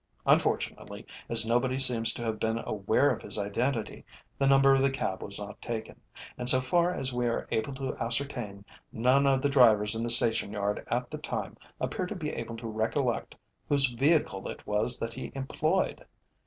Unfortunately, as nobody seems to have been aware of his identity, the number of the cab was not taken, and, so far as we are able to ascertain, none of the drivers in the station yard at the time appear to be able to recollect whose vehicle it was that he employed.